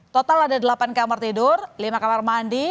total ada delapan kamar tidur lima kamar mandi